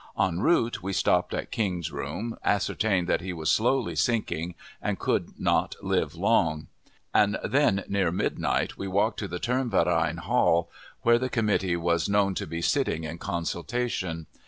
En route we stopped at King's room, ascertained that he was slowly sinking, and could not live long; and then near midnight we walked to the Turnverein Hall, where the committee was known to be sitting in consultation.